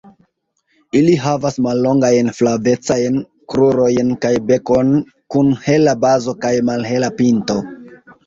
Ili havas mallongajn flavecajn krurojn kaj bekon kun hela bazo kaj malhela pinto.